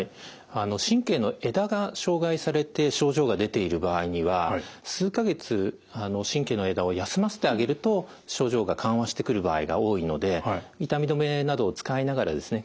神経の枝が障害されて症状が出ている場合には数か月神経の枝を休ませてあげると症状が緩和してくる場合が多いので痛み止めなどを使いながらですね